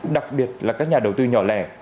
đặc biệt là các nhà đầu tư nhỏ lẻ